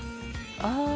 ああ。